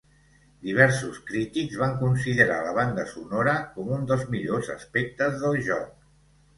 Diversos crítics van considerar la banda sonora com un dels millors aspectes del joc.